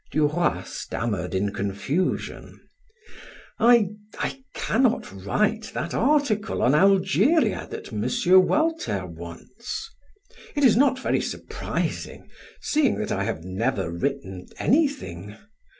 Duroy stammered in confusion: "I I cannot write that article on Algeria that M. Walter wants. It is not very surprising, seeing that I have never written anything.